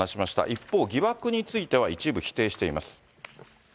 一方、疑惑については一部否定しています。